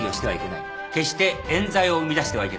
決して冤罪を生み出してはいけない。